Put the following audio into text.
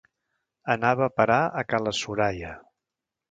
Anava a parar a ca la Soraia.